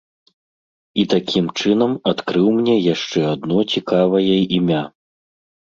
І такім чынам адкрыў мне яшчэ адно цікавае імя.